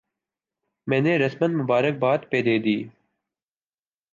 میں نے رسما مبارکباد پہ دے دی۔